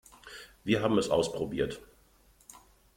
Wir haben es ausprobiert.